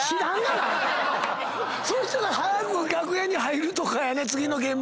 そしたら早く楽屋に入るとかやな次の現場の。